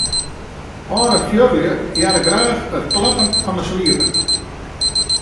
Alde fuorlju hearre graach it klappen fan 'e swipe.